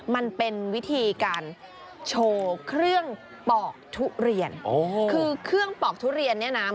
มันเป็นวิธีการโชว์เครื่องปอกทุเรียนคือเครื่องปอกทุเรียนเนี่ยนะ